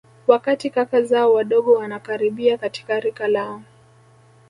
Wakati kaka zao wadogo wanakaribia katika rika lao